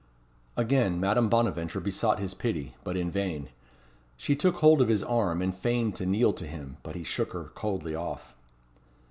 Again Madame Bonaventure besought his pity, but in vain. She took hold of his arm, and feigned to kneel to him; but he shook her coldly off.